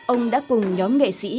ông đã cùng nhóm nghệ sĩ